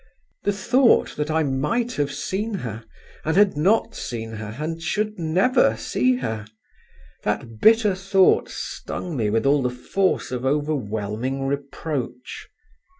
The thought that I might have seen her, and had not seen her, and should never see her—that bitter thought stung me with all the force of overwhelming reproach.